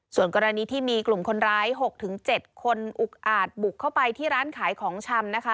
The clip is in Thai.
ส่วนกรณีที่มีกลุ่มคนร้าย๖๗คนอุกอาจบุกเข้าไปที่ร้านขายของชำนะคะ